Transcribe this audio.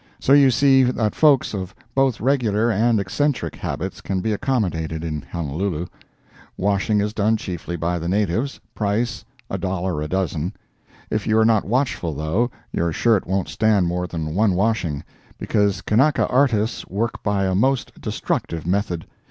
So you see that folks of both regular and eccentric habits can be accommodated in Honolulu. Washing is done chiefly by the natives, price, a dollar a dozen. If you are not watchful, though, your shirt won't stand more than one washing, because Kanaka artists work by a most destructive method.